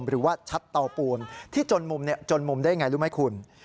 หรือว่าชัดเตาปูนที่จนมุมจนมุมได้ยังไงรู้ไหมคุณ